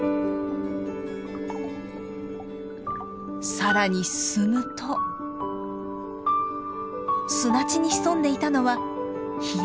さらに進むと砂地に潜んでいたのはヒラメ。